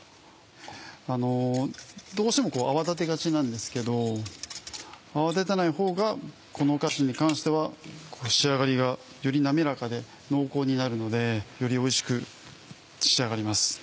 あのどうしても泡立てがちなんですけど泡立てないほうがこのお菓子に関しては仕上がりがより滑らかで濃厚になるのでよりおいしく仕上がります。